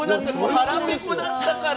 腹ペコだったから。